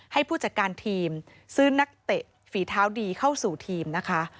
ให้ผู้จัดการทีมซื้อนักเตะฝีเท้าดีเข้าสู่ทีมนะคะ